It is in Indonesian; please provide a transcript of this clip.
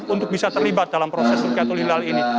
untuk bisa terlibat dalam proses rukiatul hilal ini